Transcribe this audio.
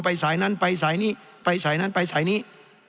สายนั้นไปสายนี้ไปสายนั้นไปสายนี้